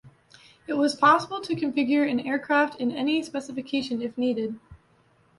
It was possible to configure an aircraft in any specification if needed.